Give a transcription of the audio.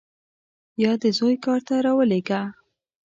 یا دې زوی کار ته راولېږه.